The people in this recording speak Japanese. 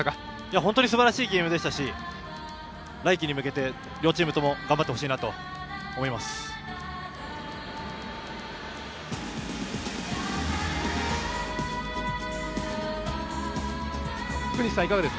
本当にすばらしいゲームでしたし来季に向けて両チームとも頑張ってほしいと思います。